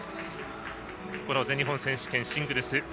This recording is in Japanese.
この全日本選手権シングルス